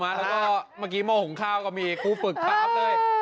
เมื่อกี้โม่หงข้าวก็มีครูฟึกพร้อมเลย